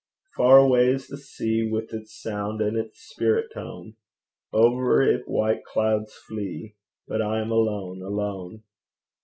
Far away is the sea, With its sound and its spirit tone: Over it white clouds flee, But I am alone, alone.